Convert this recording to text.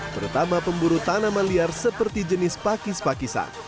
terutama pemburu tanaman liar seperti jenis pakis pakisan